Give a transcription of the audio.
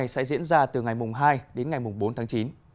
sẽ diễn ra từ ngày mùng hai đến ngày mùng bốn tháng chín